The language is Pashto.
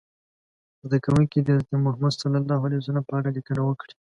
زده کوونکي دې د حضرت محمد ص په اړه لیکنه وکړي.